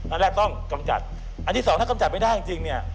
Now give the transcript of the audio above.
อันแรกต้องกำจัดอันที่สองถ้ากำจัดไม่ได้จริงเนี่ย